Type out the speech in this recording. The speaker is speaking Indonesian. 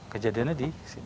kejadiannya di situ